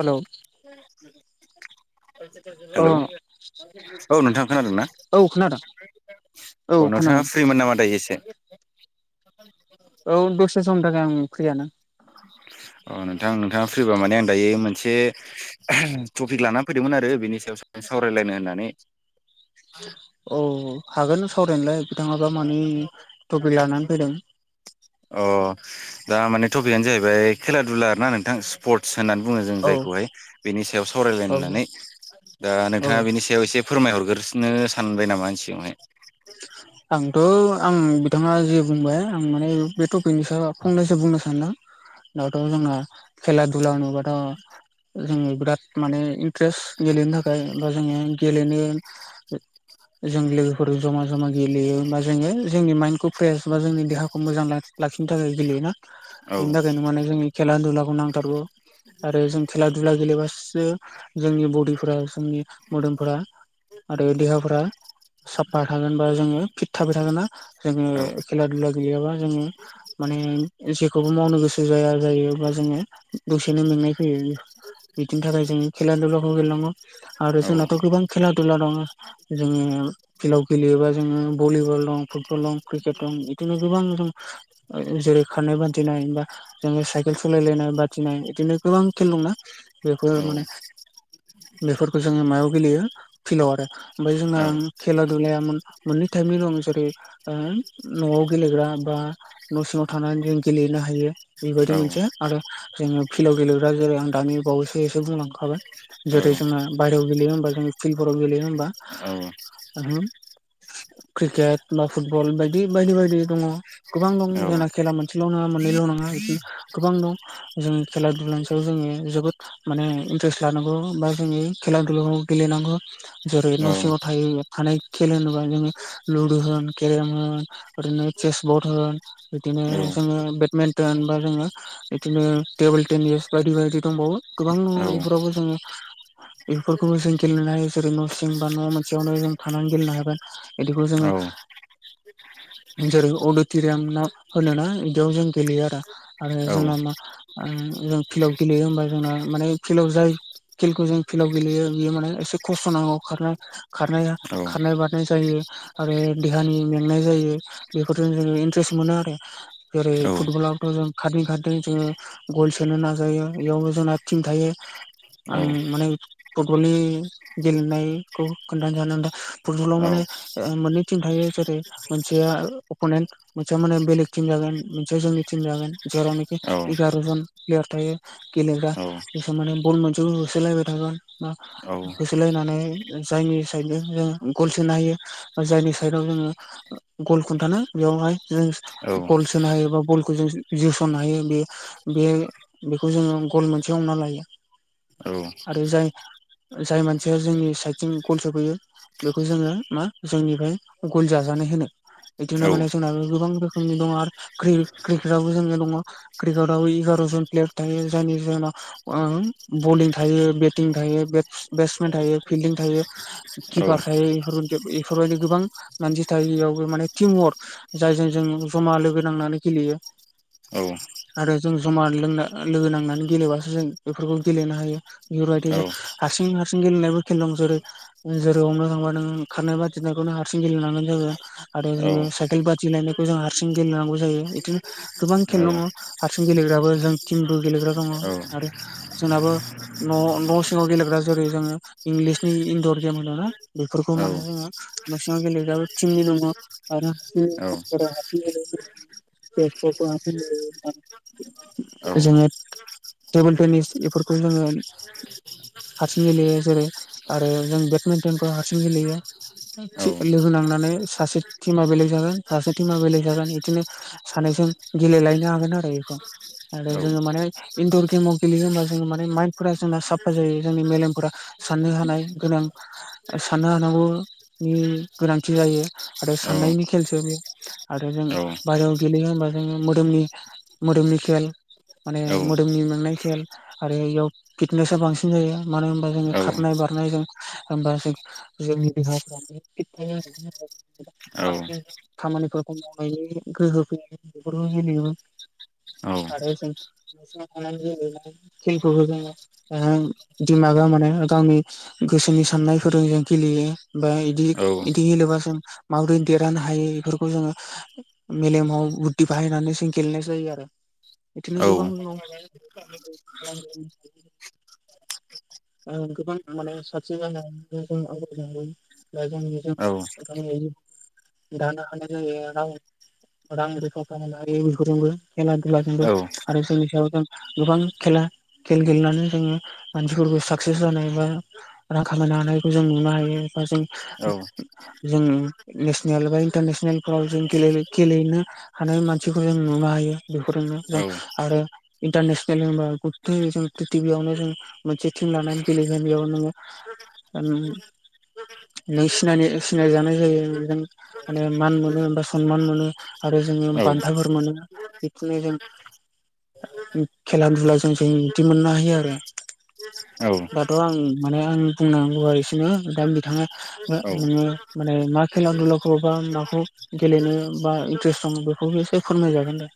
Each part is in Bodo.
हेलौ। [inaudible] अ हेलौ औ नोंथां खोनादों ना? औ खोनादों औ अ नोंथाङा खोनादों फ्रिमोन नामा दायो एसे औ दसे समनि थाखाय आं फ्रियानो। [inaudible] अ नोंथां नोंथाङा फ्रिबा माने आं दायो मोनसे टपिक लाना फैदोंमोन आरो बेनि सायाव। सावरायलायनो होननानै औ हागोन सावरायनोलाय बिथाङाबा मानि थटपि लानानै फैदों। अ दा माने थपिकआनो जाहैबाय खेला धुला आरोना नोंथां। स्पर्टस होननानै बुङो जों औ जायखौहाय बेनि सायाव सावरायलायनो औ होननानै दा औ नोंथाङा बेनि सायाव एसे फोरमाय हरग्रसिनो सानबाय नामानि सिगांवहाय ब [inaudible] आंथ' आं बिथाङा जे बुंबाय आं माने बे टपिकनि सायाव फंनैसो बुंनो सानदों। दाथ' जोंना खेला दुला होनोबाथ' जोङो बिराद माने इन्ट्रेस्ट गेलेनो थाखाय बा जोङो गेलेनो [unintelligible] फोर जमा जमा गेलेयो होमा जोङो जोंनि माइन्दखौ फ्रेस बा जोंनि देहाखौ मोजां लाख लाखिनो थाखाय गेलेयोना। औ बिनि थाखायनो माने जोंनि खेला दुलाखौ नांथारगौ। आरो जों खेला दुला गेलेबासो जोंनि बडि फोरा जोंनि मोदोमफोरा। आरो देहाफोरा साफा थागोन बा जोङो फिट थाबाय थागोन ना जोङो औ खेला दुला गेलेयाबा जोङो। माने जेखौबो मावनो गोसो जाया जायो बा जोङो दसेनो मेंनाय फैयो। बिदिनि थाखाय जों खेला-दुलाखौ गेलेनांगौ। आरो औ जोंनाथ' गोबां खेला-दुला दङ' जोङो। फिल्डआव गेलेयोबा जोङो भलिबल दं, फुटबल दं, क्रिकेट दं बिदिनो गोबां जों जेरै खारनाय बादिनाय बा जोङो साइकेल सलायलायनाय बादिनाय बिदिनो गोबां खेल दंना औ बेफोर माने। बेफोरखौ जोङो मायाव गेलेयो फिल्डाव आरो ओमफाय जोंना औ खेला दुलायामोन मोननै टाइपनि दं जेरै ओ न'आव गेलेग्रा बा न' सिङाव थानानै जों गेलेनो हायो औ बेबायदि मोनसे आरो। जोङो फिल्डआव गेलेग्रा जेरै आं दानि बावैसो एसे बुंलांखाबाय। औ जेरै जोंना बाहेरायाव गेलेयो होमबा जों फिल्डफोराव गेलेयो होमबा। क्रिकेट बा फुटबल बायदि बायदि बायदि दङ। गोबां दं औ जोंना खेला मोनसेल' नङा मोननैल' नङा बिदिनो गोबां दं। जोंनि खेला दुलानि सायाव जोङो जोबोद माने इन्ट्रेस्ट लानांगौ बा जोंङो खेला-दुलाखौ गेलेनांगौ जेरै- न' सिङाव थायो थानाय खेल होनोबा जोङो। लुदु होन, केरेम होन ओरैनो चेसबर्ड होन बिदिनो जोङो बेडमिन्टन बा जोङो इदिनो टेबोल टेनिस बायदि बायदि दंबावो गोबां दङ। इफोरावबो जोङो इफोरखौबो जों गेलेनो हायो जेरै न' सिं बा न' मोन खाथियावनो जों थानानै गेलेनो हाबाय इदिखौ जोङो। जेरै अडिट'रियाम ना होनोना इदियाव जों गेलेयो आरो। आरो जोंना मा जों फिल्डआव गेलेयो होमबा जोंना माने फिल्डआव जायो। खेलखौ जों फिल्डआव गेलेयो बियो माने एसे खस्थ' नांगौ खारनो खारनाया खारनाय बारनाय जायो। आरो देहानि मेंनाय जायो बेफोरजों जोङो इन्ट्रेस्ट मोनो आरो। जेरै फुटबलावथ' जों खारदों खारदों जोङो। गल सोनो नाजायो बेयावबो जोंना टिम थायो। आं माने फुटबलनि गेलेनायखौ खोन्थानो जानो फुटबलाव माने ओ मोननै टिम थायो जेरै मोनसेया अप'नेन्ट मोनसेया माने बेलेग टिम जागोन मोनसेया जोंनि टिम जागोन जेरावनोखि औ एगार' जन प्लेयार थायो। औ औ गेलेग्राफोर मान बल मोनसे होसोलायबाय थागोन होसोलायनानै जायनि साइदनो जों गल सोनो हायो। जायनि साइदाव जोङो गल' खुन्थानो बेयावहाय जों गल सोनो हायो बा गलखौ जों जोसननो हायो बेयो। बे बेखौ जोङो गल मोनसे हमना आरो जाय जाय मानसिया जोंनि साइद जों गल सफैयो बेखौ जोङो मा जोंनिफ्राय गल जाजानाय होनो। बिदिनो माने जोंनाबो गोबां रोखोमनि दङ आरो क्रिकेट आबबो जोङो दङ। क्रिकेटआव एगार' जन प्लेयार थायो जायनि जाहोनाव। आं बिलिं थायो बेटिं थायो बेटसमेन थायो फिल्डिं थायो किपार थायो रन्देब बेफोरबायदि गोबां मानसि थायो बेयावबो माने टिम वार्क जायजों जों ज'मा लोगो नांनानै गेलेयो। औ आरो जों जमा लोंना लोगो नांनानै गेलेबासो जों बेफोरखौ गेलेनो हायो बेफोरबायदि हारसिं हारसिं गेलेनायबो खेल दं जेरै जेरै हमनो थांबा नों खारनाय बादिनायखौ नों हारसिं गेलेेनांगोन जायो आरो जोङो साइकेल बादि लायनायखौ जों हारसिं गेलेनांगौ जायो बिदिनो गोबां खेल दङ हारसिं गेलेग्राबो जों टिमबो गेलेग्रा दङ आरो जोंनाबो न' न' सिङाव गेलेग्रा जेरै जोङो इंलिस इनन्दर गेम दा बेफोरखौ माने जोङो नसिंङाव गेलेग्राबो टिमनि दङ आरो [unintelligible] जोङो टेबोल पेनिस बेफोरखौ जोङो हारसिं गेलेयो जेरै आरो जों बेटमिन्टनफ्राव हारसिं गेलेयो लोगो नांनानै सासे टिमा बेलेग जागोन सासे टिमा बेलेक जागोन बिदिनो सानैजों गेलेलायनो हागोन आरो बेखौ आरो जोङो माने इनन्दर गेमाव गेलेयो होमबा जों माने माइन्दफोरा जोंना साफा जायो जोंनि मेलेमफोरा साननो [unintelligible] हानाय गोनां साननो हानांगौनि गोनांथि जायो आरो साननायनि खेलसो बे आरो जों बायहेरायाव गेलेयो होनबा जोङो मोदोमनि मोदोमनि खेल माने मोदोमनि मोननाय खेल आरो इयाव फिटनेसा बांसिन जायो मानो होनबा जोङो खारनाय बारनाय होमबा जों जोंनि देहाफोराबो फिद थायो बाखि खामानिफोरखौ मावनायनि गोहो फैनानै बेफोरखौ गेलेयोबा आरो जों थानानै जों खेलफोरखौ जोङो दिडमागा माने गावनि गोसोनि साननाय फोरोंजों गेलेयो बा बिदि बिदि गेलेबा जों माबोरै देरहानो हायो बेफोरखौ जोङो मेलेमाव बुददि बाहायना जों गेलेनाय जायो आरो बिदिनो गोबां औ दं गोबां माने साबसिन जानानै जों आवगाय जों जे गावनि जिउ दानो हानाय जायो रां खामायनो हायो बेफोरजोंबो खेला दुलाजोंबो आरो बेफोर नि सायाव जों गोबां खेला खेल गेलेनानै जोङो मानसिफोरखौ साक्सेस जानाय बा रां खामायनो हानायखौ जों नुनो हायो बा जों जों नेसनेल बा इन्टारनेसनेलफोराव जों गेलेनो हानाय मानसिखौ जों नुनो हायो बेफोरजोंनो जों आरो इन्टारनेसनेल होनबा जों प्रिटिबियावनो जों मोनसे टिम लानानै गेलेगोन बेयाव नोङो नों सिनाय सिनायजानाय जायो नों माने मान मोनो बा सनमान मोनो आरो जोङो बान्थाफोर मोनो बिदिनो जों खेला दुला जों जों बिदि मोननो हायो आरो दाथ' आं माने आं बुंनांगौवा एसेनो दा बिथाङा नोङो माने मा खेलाधुलाखौ बा माखौ गेलेनो बा इन्ट्रेस्ट दङ बेखौबो एसे फोरमायजागोन दे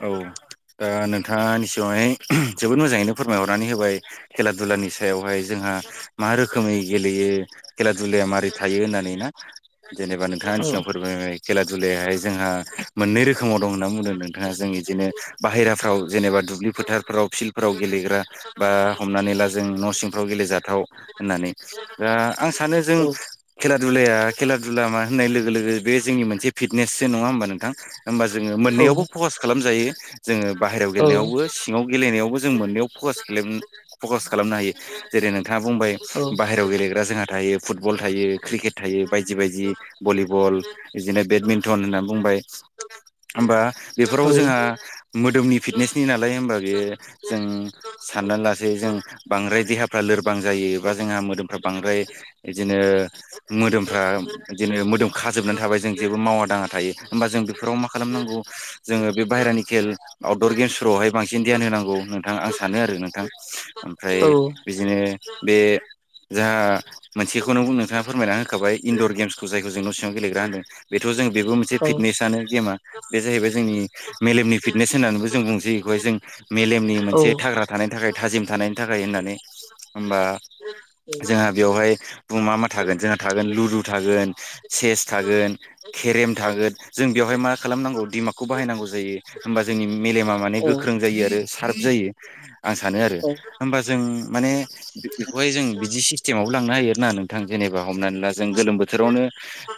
औ दा नोंथांङा आंनिसिगांङावहाय जोबोद मोजाङैनो फोरमायहरनानै होबाय खेला दुलानि सायावहाय जोंहा मा रोखोमै गेलेयो खेला दुलाया मारै थायो होननानै ना जेनेबा औ नोंथांनि सिगाव फोरमाय खेला दुलाहाय जोंहा मोननै रोखोमाव दं होनना बुंदों नोंथांङा जों बिदिनो बाहेराफ्राव जेनेबा दुब्लि फोथारफ्राव फिल्डफोराव गेलेग्रा बा हमनानै ला जों न' सिंफ्राव गेलेजाथाव होननानै ओ आं सानो जों औ खेला दुलाया खेला दुला मा होननाय लोगो लोगो बे जोंनि मोनसे फिटनेसो नङा होमबा नोंथां? होमबा जोङो औ मोननैयावबो फकास खालामजायो जोङो बाहेरायाव औ गेलेनायावबो सिङाव गेलेनायावबो जों मोननैयाव फकास खालेम फकास खालामनो हायो। जेरै नोंथाङा बुंबाय औ बाय हेरायाव गेलेग्रा जोंहा थायो फुटबल थायो क्रिकेट थायो बायदि बायदि भलिबल बिदिनो बेडमिन्टन होनना बुंबाय होमबा बेफोराव औ जोंहा मोद दोमनि फिटनेसनि नालाय होमबा बियो जों साननान लासै जों बांद्राय देहाफ्रा लोरबां जायोबा जोंहा मोदोमफ्रा बांद्राय इदिनो मोदोमफ्रा बिदिनो मोदोम खाजोबनान थाबाय जों जेबो मावा दाङा थायो होमबा जों बेफोराव मा खालामनांगौ जोङो बे बाहेरानि खेल आउट दर गेम्सफोरावहाय बांसिन ध्यान होनांगौ नोंथां आं सानो आरो नोंथां। ओमफ्राय बिजिनो बे जोहा मोनसेखौनो नोंथाङा फोरमायना होखाबाय इनन्दर गेम्सखौ जायखौ जों न' सिङाव गेलेग्रा होनदों। बेथ' जों बेबो मोनसे औ फिटनेसनो गेमा बे जाहैबाय जोंनि मेलेमनि फिट नेस होननानैबो जों बुंसै इखौहाय जों मेलेमनि औ मोनसे थाग्रा थानायनि थाखाय थाजिम थानायनि थाखाय होननानै होमबा जोंहा बियावहाय बुं मा मा थागोन? जोंहा थागोन लुदु थागोन चेस थागोन केरेम थागोन जों बेवहाय मा खालामनांगौ दिमागखौ बाहायनांगौ जायो। होमबा जोंनि मेलेमा माने औ औ गोख्रों जायो आरो सार्फ जायो आं सानो आरो। होमबा जों माने बिबदि खौहाय जों बिदि सिस्टेमावबो लांनो हायो आरोना नोंथां जेनेबा हमनानै ला जों गोलोम बोथोरावनो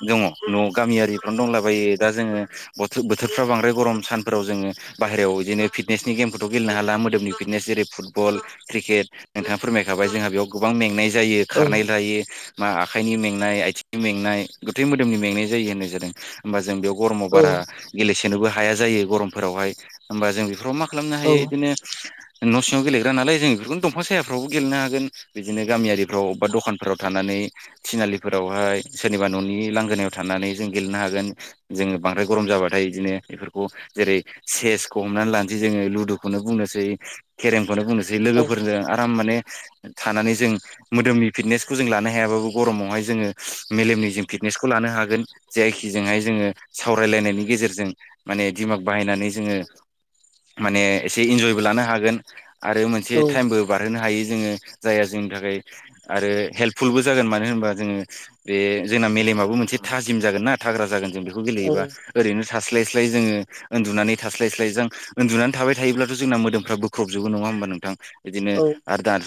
दङ न' गामियारिफ्रावनो दंलाबायो दा जोङो बथो बोथोरफ्रा बांद्राय गरम सान फोराव जोङो बाहेराव इदिनो फिटनेसनि गेमखौथ' गेलनो हाला मोदोमनि फिटनेस जेरै फुटबल क्रिकेट नोंथाङा फोरमायखाबाय जोंहा बेयाव गोबां मेंनाय जायो खारनाय लायो। मा आखाइनि मेंनाय आथिंनि मेंनाय गुथै मोदोमनि मेंनाय जायो होननाय जादों। होमबा जों बेयाव गरमाव बारा गेलेसेनोबो हाया जायो गरमफोरावहाय। होमबा जों बेफोराव मा खालामनो हायो इदिनो न' सिङाव गेलेग्रा नालाय जों इफोरखौनो दंफां सायाफ्रावबो गेलेनो हागोन। बिदिनो गामियारिफ्राव बा दखानफोराव थानानै थिनालिफोरावहाय सोरनिबा न'नि लांगोनायाव थानानै जों गेलेनो हागोन। जोङो बांद्राय गरम जाबाथाय इदिनो एफोरखौ जेरै चेसखौ हमनानै लानसै जोङो लुदुखौनो बुंनोसै। खेरेमखौनो बुंनोसै लोगोफोरजों आराम माने थानानै जों मोदोमनि फिटनेसखौ जों लानो हायाबाबो गरमावहाय जोङो मेलेमनि जों फिटनेसखौ लानो हागोन। जायखिजोंहाय जोङो सावरायलायनायनि गेजेरजों माने दिमाग बाहायनानै जोङो माने एसे इन्जयबो लानो हागोन। आरो मोनसे टाइमबो बारहोनो हायो जोङो जायहा जोंनि थाखाय आरो हेल्पफुलबो जागोन मानो होनबा जोङो बे जोंना मेलेमाबो मोनसे थाजिम जागोन ना थाग्रा जागोन जों बे खौ गेलेयोबा ओरैनो सास्लाय स्लाय जोङो ओन्दुनानै थास्लायस्लाय जों ओन्दुनानै थाबाय थायोब्लाथ' जोंना मोदोमफ्रा बोख्रबजोबो नङा होमबा नोंथां? बिदिनो औ आर दाथ'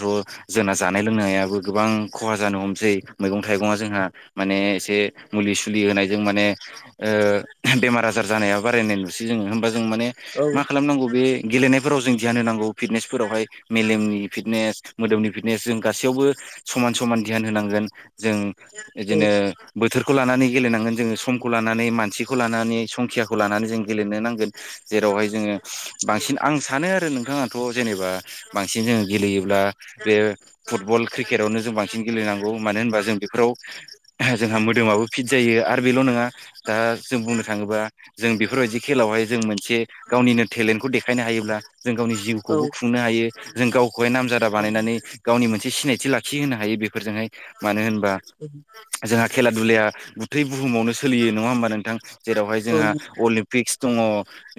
जोंना जानाय लोंनायाबो गोबां खहा जानो हमनोसै मैगं थाइगङा जोंहा माने एसे मुलि सुलि होनायजों माने ओ बेमार आजार जानाया बारायनाय नु सै जोङो होमबा जों माने औ मा खालामनांगौ बे गेलेनायफोराव जों दियान होनांगौ फिटनेसफोरावहाय। मेलेमनि फिटनेस मोदोमनि फिटनेस जों गासैयावबो समान समान ध्यान होनांगोन। जों इदिनो बोथोरखौ लानानै गेलेनांगोन जोङो समखौ लानानै मानसिखौ लानानै संखियाखौ लानानै जों गेलेनो नांगोन। जेरावहाय जोङो बांसिन आं सानो आरो नोंथाङाथ' जेनेबा बांसिन जोङो गेलेयोब्ला बे फुटबल क्रिकेटआवनो जों बांसिन गेलेनांगौ मानो होनबा जों बेफोराव जोंहा मोदोमाबो फिट जायो आरो बेल' नङा दा जों बुंनो थाङोबा जों बेफोरबायदि खेलायावहाय जों मोनसे गावनिनो टेलेन्टखौ देखायनो हायोब्ला जों गावनि जिउखौबो खुंनो हायो जों गावखौहाय नामजादा बानायनानै गावनि मोनसे सिनायथि लाखि होनो हायो बेफोरजोंहाय मानो होनबा जोंहा खेला दुलाया गुथै बुहुमावनो सोलियो नङा होमबा नोंथां जेरावहाय जोंहा अलिम्पिक्स दङ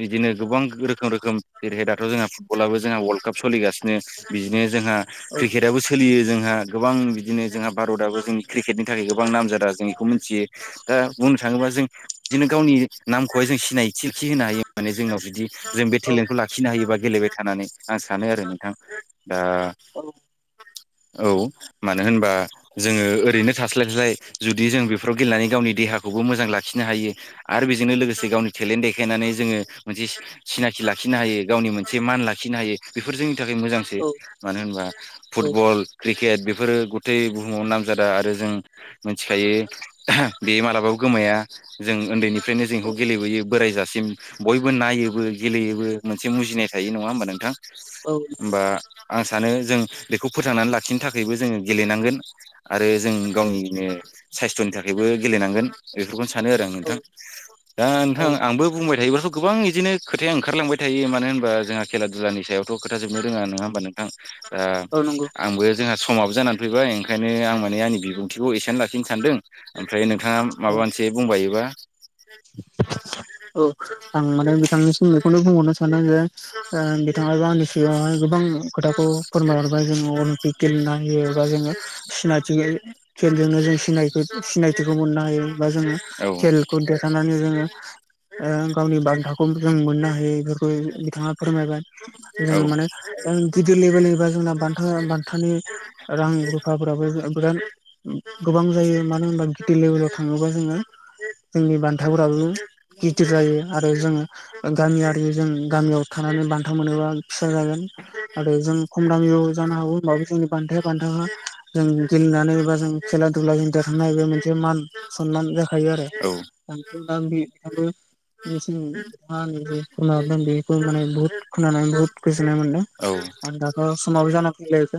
बिदिनो गोबां रोखोम रोखोम जेरैहाय दाथ' जोंहा फुटबलाबो जोंहा वर्ल्ड काप सोलिगासिनो बिदिनो जोंहा क्रिकेटआबो सोलियो जोंहा गोबां बिदिनो जोंहा भारतआबो जोंनि क्रिकेटनि थाखाय गोबां नामजादा जों बेखौ मिथियो दा बुंनो थाङोबा जों बिदिनो गावनि नामखौहाय जों सिनायथि खि होनो हायो माने जोंनाव जुदि जों बे टेलेन्टखौ लाखिनो हायोबा गेलेबाय थानानै आं सानो आरो नोंथां दा औ मानो होनबा जोङो ओरैनो थास्लायलाय जुदि जों बेफोराव गेलेनानै गावनि देहाखौबो मोजां लाखिनो हायो आरो बेजोंनो लोगोसे गावनि टेलेन्ट देखायनानै जोङो मोनसे सिनाखि लाखिनो हायो गावनि मोनसे मान लाखिनो हायो बेफोर जोंनि थाखाय मोजांसो मानो होनबा फुटबल क्रिकेट बेफोरो गथै बुहुमाव नामजादा आरो जों मिथिखायो बे मालाबाबो गोमाया जों उन्दैनिफ्रायनो जों इखौ गेलेबोयो बोरायजासिम बयबो नायोबो गेलेयोबो मोनसे मुजिनाय थायो नङा होमबा नोंथां होमबा आं सानो जों बेखौ फोथांनानै लाखिनो थाखायबो जोङो गेलेनांगोन आरो जों गावनिनो साइस्थ'नि थाखायबो गेलेनांगोन बेफोरखौनो सानो आरो आं औ नोंथां दा औ आंबो बुंबाय थायोब्लाथ' गोबां बिदिनो खोथाया ओंखारलांबाय थायो मानो होनबा जोंहा खेला दुलानि सायाव थ' खोथा जोबनो रोङा नङा होमबा नोंथां दा औ नंगौ आंबो जोंहा समाबो जानानै फैबाय ओंखायनो आं माने आंनि बिबुंथिखौ एसेनो लाखिनो सानदों ओमफ्राय नोंथाङा औ माबा मोनसे बुंबायोबा [inaudible] [inaudible] औ आं माने बिथांनिसिम बेखौनो बुंहरनो सानो जे बिथाङाबो आंनि सिगाङावहाय गोबां खोथाखौ फोरमायहरबाय जोङो अलिम्पिक गेलेनो होयो बा जोङो सिनायथि खेलजोंनो जों सिनायथिखौ मोननो हायो बा जोङो औ खेल खौ देरहानानै जोङो गावनि बान्थाखौ जों मोननो हायो बेफोरखौ नोंथाङा फोरमायबाय औ जोंङो माने गिदिर लेभेलनिबा जोंना बान्थानि रां रुफाफोराबो बिराद गोबां जायो मानो होनबा गिदिर लेभेलाव थाङोबा जोङो जोंनि बान हाथायफोराबो गिदिर जायो आरो जोङो गामियारि जों गामियाव थानानै बान्था मोनोबा फिसा जागोन आरो जों खम दामियाव जानो हागौ होमबाबो जोंनि बान्थाया बान्थाखा जों गेलेनानै बा जों खेला दुलाजों देरहानाय बे मोनसे मान सनमान जाखायो औ आरो [unintelligible] [unintelligible] बहुत खोनानानै बहुद गोजोननाय मोनदों औ आरो दाथ' समाबो जाना फैलायबाय